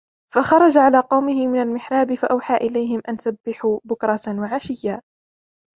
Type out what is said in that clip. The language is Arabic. فَخَرَجَ عَلَى قَوْمِهِ مِنَ الْمِحْرَابِ فَأَوْحَى إِلَيْهِمْ أَنْ سَبِّحُوا بُكْرَةً وَعَشِيًّا